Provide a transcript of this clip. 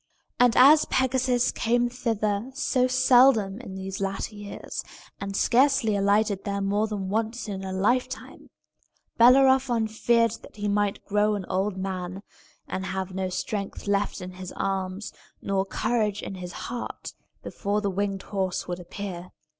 And as Pegasus came thither so seldom in these latter years, and scarcely alighted there more than once in a lifetime, Bellerophon feared that he might grow an old man, and have no strength left in his arms nor courage in his heart, before the winged horse would appear.